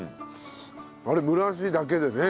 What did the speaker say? あれ蒸らしだけでね